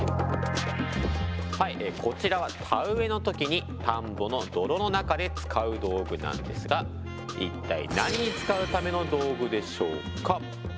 はいこちらは田植えの時に田んぼの泥の中で使う道具なんですが一体何に使うための道具でしょうか。